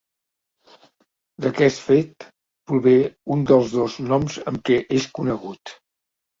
D'aquest fet prové un dels dos noms amb què és conegut.